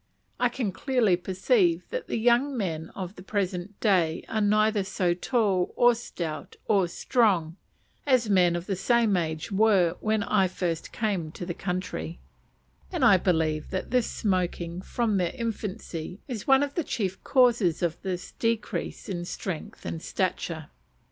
I can clearly perceive that the young men of the present day are neither so tall, or stout, or strong, as men of the same age were when I first came to the country; and I believe that this smoking, from their infancy, is one of the chief causes of this decrease in strength and stature.